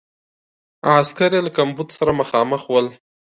عسکر یې له کمبود سره مخامخ ول.